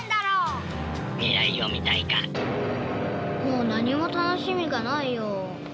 もう何も楽しみがないよ。